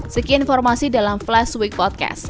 sekian informasi dalam flash week podcast